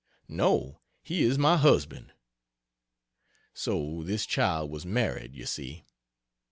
"No, he is my husband." So this child was married, you see.